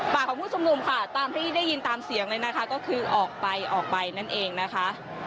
ของผู้ชุมนุมค่ะตามที่ได้ยินตามเสียงเลยนะคะก็คือออกไปออกไปนั่นเองนะคะ